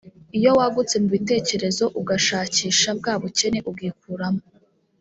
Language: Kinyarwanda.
iyo wagutse mu bitekerezo ugashakisha bwa bukene ubwikuramo